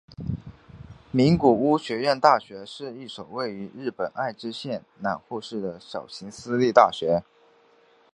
名古屋学院大学是一所位于日本爱知县濑户市的小型私立大学。